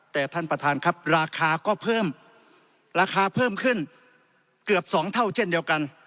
แต่ท่านประธานครับราคาก็เพิ่มราคาเพิ่มขึ้นเกือบ๒เท่าเช่นเดียวกัน